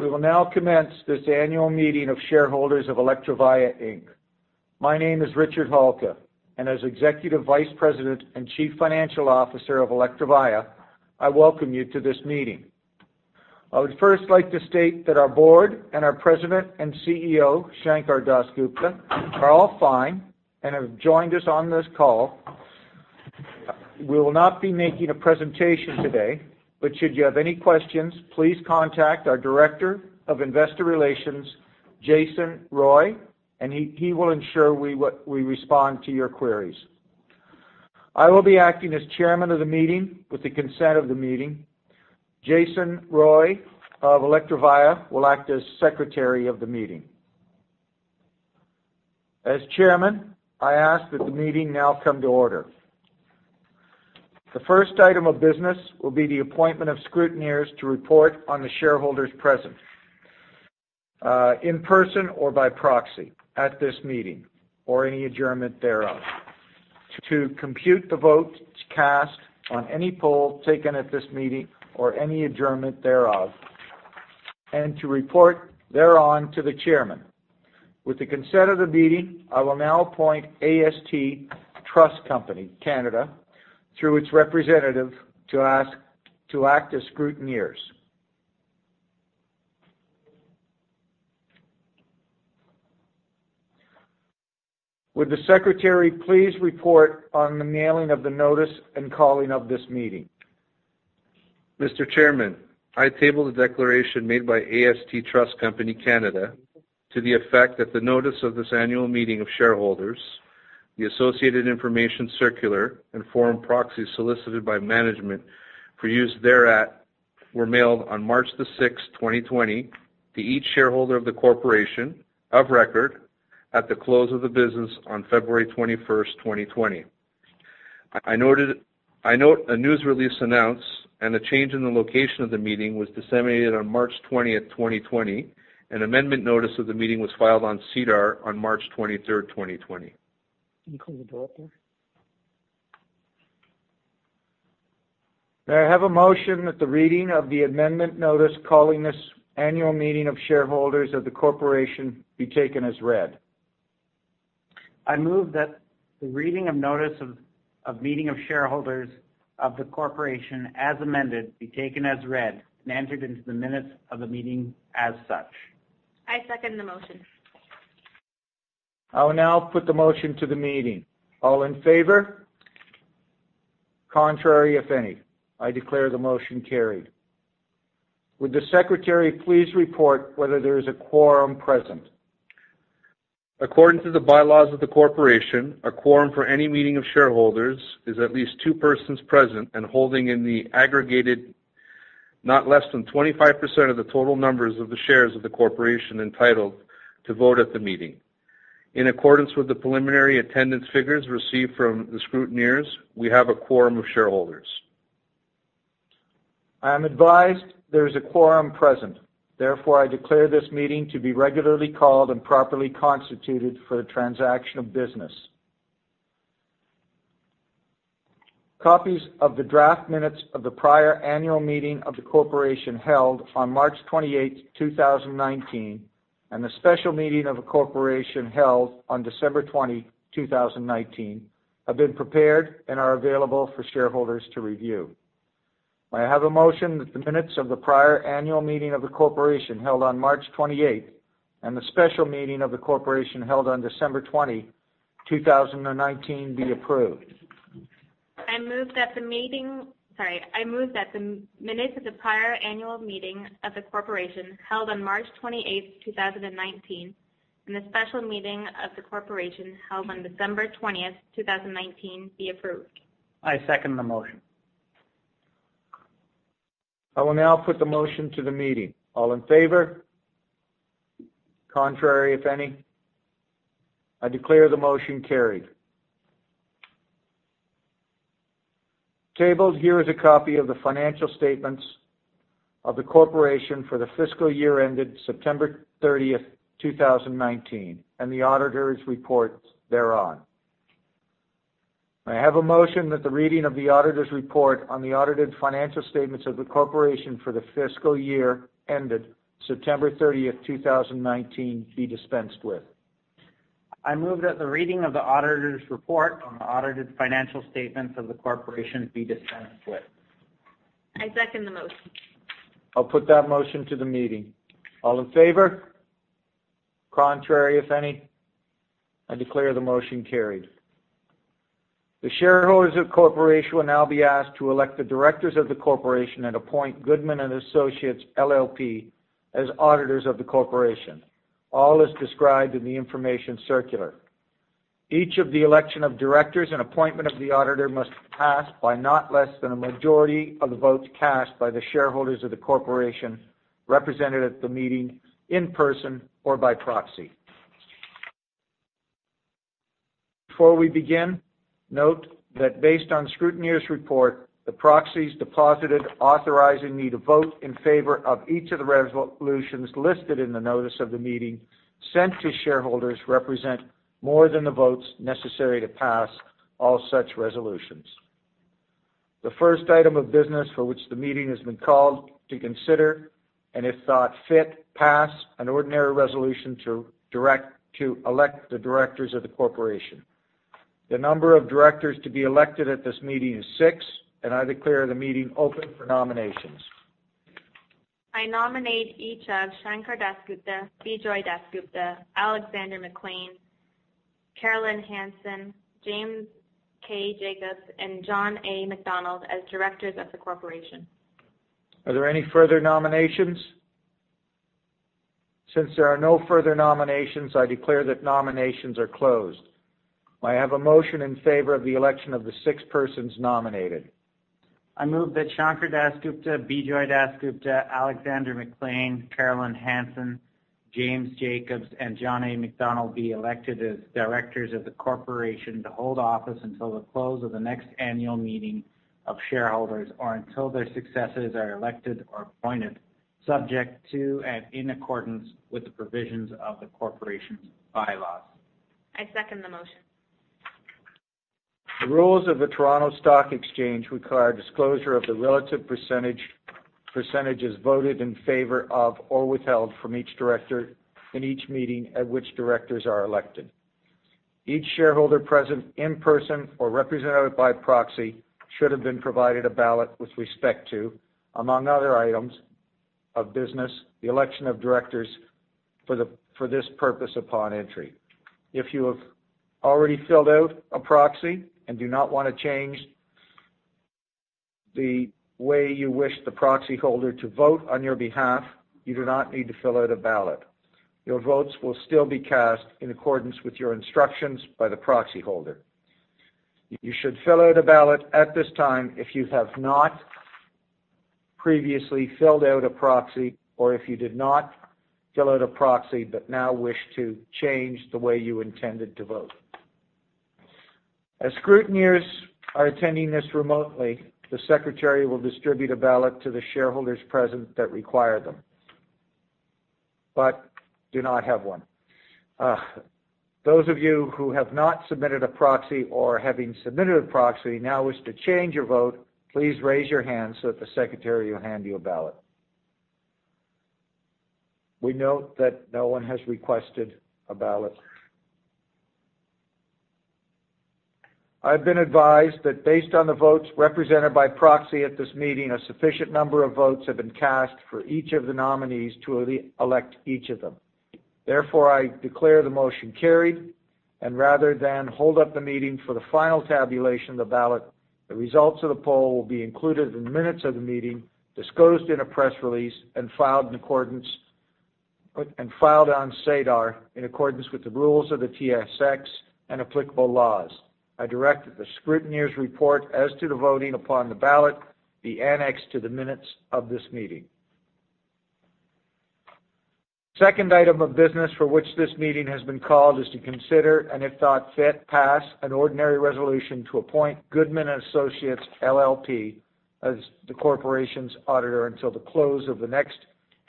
We will now commence this annual meeting of shareholders of Electrovaya Inc. My name is Richard Halka, and as Executive Vice President and Chief Financial Officer of Electrovaya, I welcome you to this meeting. I would first like to state that our board and our President and CEO, Sankar Das Gupta, are all fine and have joined us on this call. We will not be making a presentation today, but should you have any questions, please contact our Director of Investor Relations, Jason Roy, and he will ensure we respond to your queries. I will be acting as chairman of the meeting with the consent of the meeting. Jason Roy of Electrovaya will act as secretary of the meeting. As chairman, I ask that the meeting now come to order. The first item of business will be the appointment of scrutineers to report on the shareholders present in person or by proxy at this meeting or any adjournment thereof, to compute the votes cast on any poll taken at this meeting or any adjournment thereof, and to report thereon to the chairman. With the consent of the meeting, I will now appoint AST Trust Company, Canada, through its representative, to act as scrutineers. Would the secretary please report on the mailing of the notice and calling of this meeting? Mr. Chairman, I table the declaration made by AST Trust Company, Canada to the effect that the notice of this annual meeting of shareholders, the associated information circular and form proxies solicited by management for use thereat were mailed on March the 6th, 2020, to each shareholder of the corporation of record at the close of the business on February 21st, 2020. I note a news release announced and a change in the location of the meeting was disseminated on March 20th, 2020. An amendment notice of the meeting was filed on SEDAR on March 23rd, 2020. Can you call the director? May I have a motion that the reading of the amendment notice calling this annual meeting of shareholders of the corporation be taken as read? I move that the reading of notice of meeting of shareholders of the corporation as amended be taken as read and entered into the minutes of the meeting as such. I second the motion. I will now put the motion to the meeting. All in favor? Contrary, if any? I declare the motion carried. Would the secretary please report whether there is a quorum present? According to the bylaws of the corporation, a quorum for any meeting of shareholders is at least two persons present and holding in the aggregate, not less than 25% of the total numbers of the shares of the corporation entitled to vote at the meeting. In accordance with the preliminary attendance figures received from the scrutineers, we have a quorum of shareholders. I am advised there is a quorum present. Therefore, I declare this meeting to be regularly called and properly constituted for the transaction of business. Copies of the draft minutes of the prior annual meeting of the corporation held on March 28th, 2019, and the special meeting of a corporation held on December 20, 2019, have been prepared and are available for shareholders to review. May I have a motion that the minutes of the prior annual meeting of the corporation held on March 28th and the special meeting of the corporation held on December 20, 2019, be approved. I move that the minutes of the prior annual meeting of the corporation held on March 28th, 2019, and the special meeting of the corporation held on December 20th, 2019, be approved. I second the motion. I will now put the motion to the meeting. All in favor? Contrary, if any? I declare the motion carried. Tabled here is a copy of the financial statements of the corporation for the fiscal year ended September 30th, 2019, and the auditor's report thereon. May I have a motion that the reading of the auditor's report on the audited financial statements of the corporation for the fiscal year ended September 30th, 2019, be dispensed with? I move that the reading of the auditor's report on the audited financial statements of the corporation be dispensed with. I second the motion. I'll put that motion to the meeting. All in favor? Contrary, if any? I declare the motion carried. The shareholders of the corporation will now be asked to elect the directors of the corporation and appoint Goodman & Company, LLP as auditors of the corporation, all as described in the information circular. Each of the election of directors and appointment of the auditor must pass by not less than a majority of the votes cast by the shareholders of the corporation represented at the meeting in person or by proxy. Before we begin, note that based on scrutineer's report, the proxies deposited authorizing me to vote in favor of each of the resolutions listed in the notice of the meeting sent to shareholders represent more than the votes necessary to pass all such resolutions. The first item of business for which the meeting has been called to consider, and if thought fit, pass an ordinary resolution to elect the directors of the corporation. The number of directors to be elected at this meeting is six. I declare the meeting open for nominations. I nominate each of Sankar Das Gupta, Bejoy Das Gupta, Alexander McLean, Carolyn Hansson, James K. Jacobs, and John A. MacDonald as directors of the corporation. Are there any further nominations? Since there are no further nominations, I declare that nominations are closed. I have a motion in favor of the election of the six persons nominated. I move that Sankar Das Gupta, Bejoy Das Gupta, Alexander McLean, Carolyn Hansson, James K. Jacobs, and John A. MacDonald be elected as directors of the corporation to hold office until the close of the next annual meeting of shareholders or until their successors are elected or appointed, subject to and in accordance with the provisions of the corporation's bylaws. I second the motion. The rules of the Toronto Stock Exchange require disclosure of the relative percentages voted in favor of or withheld from each director in each meeting at which directors are elected. Each shareholder present in person or represented by proxy should have been provided a ballot with respect to, among other items of business, the election of directors for this purpose upon entry. If you have already filled out a proxy and do not want to change the way you wish the proxy holder to vote on your behalf, you do not need to fill out a ballot. Your votes will still be cast in accordance with your instructions by the proxy holder. You should fill out a ballot at this time if you have not previously filled out a proxy, or if you did not fill out a proxy but now wish to change the way you intended to vote. As scrutineers are attending this remotely, the secretary will distribute a ballot to the shareholders present that require them but do not have one. Those of you who have not submitted a proxy or having submitted a proxy now wish to change your vote, please raise your hand so that the secretary will hand you a ballot. We note that no one has requested a ballot. I've been advised that based on the votes represented by proxy at this meeting, a sufficient number of votes have been cast for each of the nominees to elect each of them. Therefore, I declare the motion carried, and rather than hold up the meeting for the final tabulation of the ballot, the results of the poll will be included in the minutes of the meeting, disclosed in a press release, and filed on SEDAR in accordance with the rules of the TSX and applicable laws. I direct that the scrutineer's report as to the voting upon the ballot be annexed to the minutes of this meeting. Second item of business for which this meeting has been called is to consider, and if thought fit, pass an ordinary resolution to appoint Goodman & Company, LLP as the corporation's auditor until the close of the next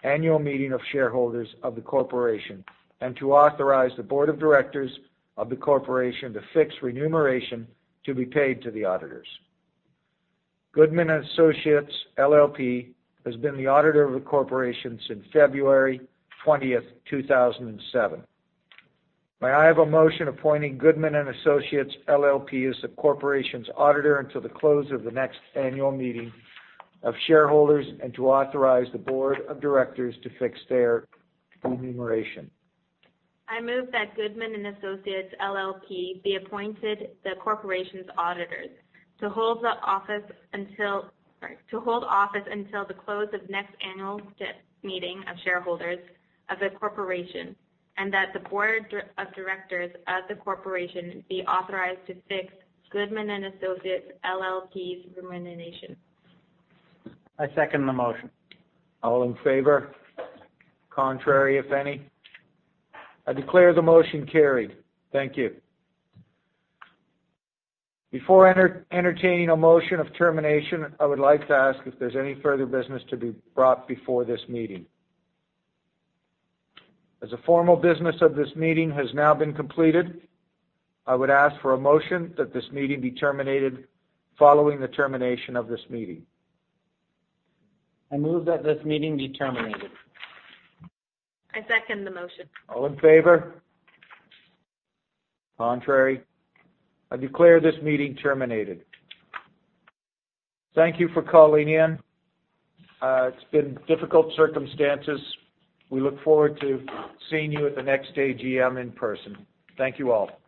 annual meeting of shareholders of the corporation and to authorize the board of directors of the corporation to fix remuneration to be paid to the auditors. Goodman & Company, LLP has been the auditor of the corporation since February 20th, 2007. May I have a motion appointing Goodman & Company, LLP as the corporation's auditor until the close of the next annual meeting of shareholders and to authorize the Board of Directors to fix their remuneration. I move that Goodman & Company, LLP be appointed the corporation's auditors. To hold office until the close of next annual meeting of shareholders of the corporation, and that the Board of Directors of the corporation be authorized to fix Goodman & Company, LLP's remuneration. I second the motion. All in favor? Contrary, if any? I declare the motion carried. Thank you. Before entertaining a motion of termination, I would like to ask if there's any further business to be brought before this meeting. As the formal business of this meeting has now been completed, I would ask for a motion that this meeting be terminated following the termination of this meeting. I move that this meeting be terminated. I second the motion. All in favor? Contrary? I declare this meeting terminated. Thank you for calling in. It's been difficult circumstances. We look forward to seeing you at the next AGM in person. Thank you all.